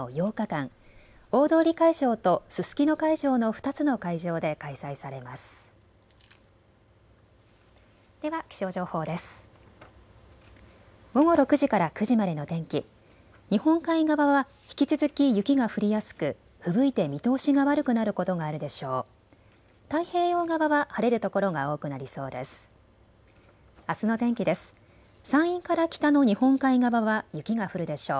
日本海側は引き続き雪が降りやすく、ふぶいて見通しが悪くなることがあるでしょう。